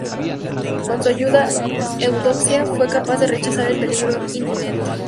Con su ayuda, Eudoxia fue capaz de rechazar el peligro inminente.